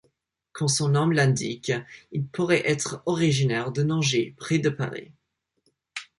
Comme son nom l'indique, il pourrait être originaire de Nangis, près de Paris.